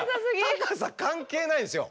高さ関係ないですよ！